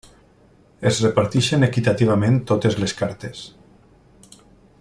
Es reparteixen equitativament totes les cartes.